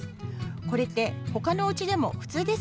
これってほかのおうちでもふつうですか？